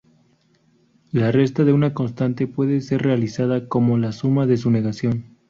La resta de una constante puede ser realizada como la suma de su negación.